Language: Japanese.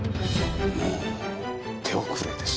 もう手遅れです。